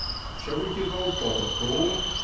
89 Shall we give old Bob a call ?